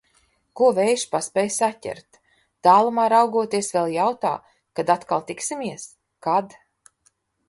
Ko vējš paspēja saķert. Tālumā raugoties vēl jautā, kad atkal tiksimies? Kad?